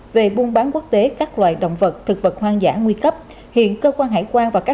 về buôn bán quốc tế các loài động vật thực vật hoang dã nguy cấp hiện cơ quan hải quan và các